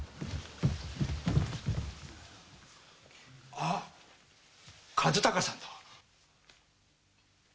あっ和鷹さんだ。